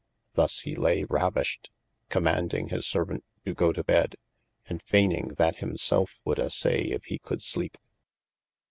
Thus he laye ravished, commaunding his servaunt to goe to bed, and fayning that him selfe would assaye if he could sleepe.